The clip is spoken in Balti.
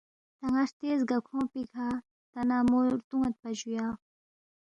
تا نہ ہرتے زگاکھونگ پیکھہ تا نہ مو رونیدپا جُو یا